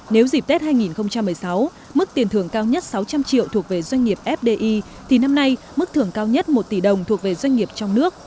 nếu dịp tết hai nghìn một mươi sáu mức tiền thưởng cao nhất sáu trăm linh triệu thuộc về doanh nghiệp fdi thì năm nay mức thưởng cao nhất một tỷ đồng thuộc về doanh nghiệp trong nước